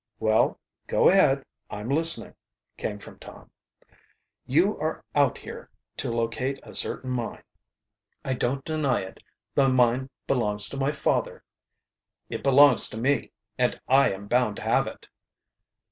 "Well, go ahead, I'm listening," came from Tom. "You are out here to locate a certain mine." "I don't deny it. The mine belongs to my father." "It belongs to me and I am bound to have it."